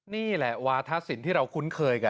นี่แหละวาทะสินที่เราคุ้นเคยกัน